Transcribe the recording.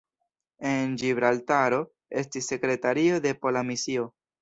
En Ĝibraltaro estis sekretario de pola misio.